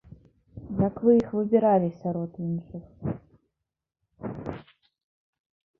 Як вы іх выбіралі сярод іншых?